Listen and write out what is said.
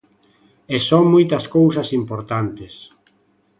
E son moitas cousas importantes.